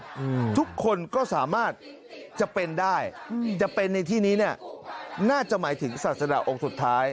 อืมทุกคนก็สามารถจะเป็นได้อืมจะเป็นในที่นี้เนี้ยน่าจะหมายถึงศาสดาองค์สุดท้าย